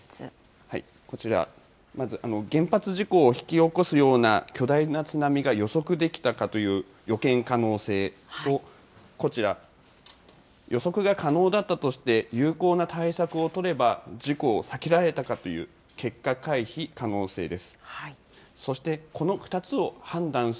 こちら、まず原発事故を引き起こすような巨大な津波が予測できたかという予見可能性と、こちら、予測が可能だったとして有効な対策を取れば事故を避けられたかという、結果回避可能性です。